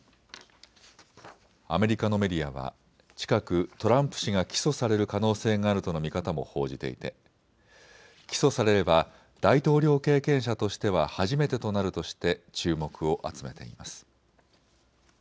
アメリカのメディアは近くトランプ氏が起訴される可能性があるとの見方も報じていて起訴されれば大統領経験者としては初めてとなるとして注目を集めています。